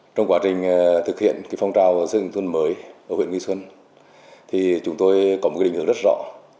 trong quá trình thực hiện phong trào xây dựng nông thôn mới ở huyện nghị xuân chúng tôi có một định hướng rất rõ